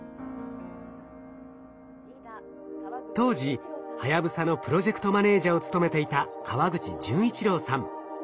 当時はやぶさのプロジェクトマネージャを務めていた川口淳一郎さん。